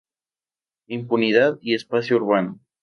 Impunidad y espacio urbano".